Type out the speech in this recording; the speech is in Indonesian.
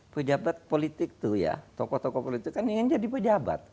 pejabat politik tuh ya tokoh tokoh politik kan ingin jadi pejabat